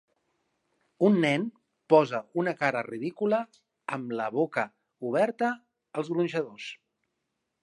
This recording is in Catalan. Un nen posa una cara ridícula amb la boca oberta als gronxadors.